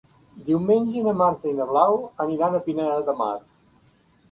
Diumenge na Marta i na Blau aniran a Pineda de Mar.